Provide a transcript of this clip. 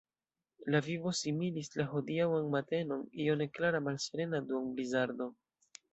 La vivo similis la hodiaŭan matenon – io neklara, malserena duonblizardo.